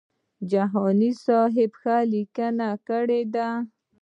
جهاني سیب ښه لیکنه کړې ده.